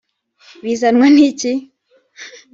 Bizanwa n’iki